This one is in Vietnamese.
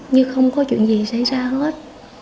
như không có chuyện gì xảy ra hết